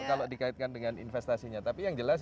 kalau dikaitkan dengan investasinya tapi yang jelas